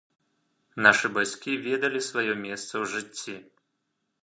Нашы бацькі ведалі сваё месца ў жыцці.